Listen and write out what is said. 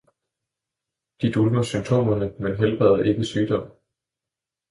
De dulmer symptomerne, men helbreder ikke sygdommen.